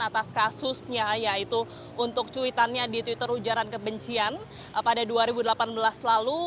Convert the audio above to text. atas kasusnya yaitu untuk cuitannya di twitter ujaran kebencian pada dua ribu delapan belas lalu